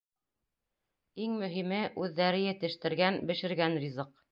Иң мөһиме: үҙҙәре етештергән-бешергән ризыҡ.